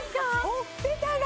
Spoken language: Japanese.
ほっぺたが！